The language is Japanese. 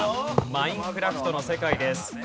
『マインクラフト』の世界です。